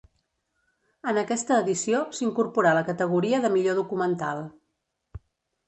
En aquesta edició s'incorporà la categoria de Millor documental.